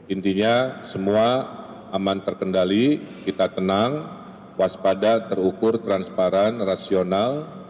intinya semua aman terkendali kita tenang waspada terukur transparan rasional